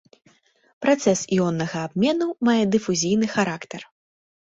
Працэс іоннага абмену мае дыфузійны характар.